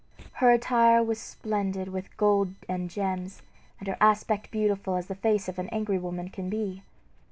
Her attire was splendid with gold and gems, and her aspect beautiful as the face of an angry woman can be.